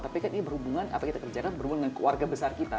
tapi kan ini berhubungan apa kita kerjakan berhubungan dengan keluarga besar kita